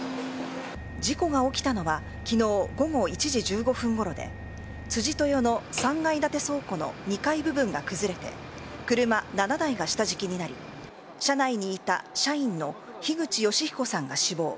事故が起きたのは昨日午後１時１５分ごろで辻豊の３階建て倉庫の２階部分が崩れて車７台が下敷きになり車内にいた社員の樋口善彦さんが死亡。